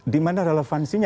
di mana relevansinya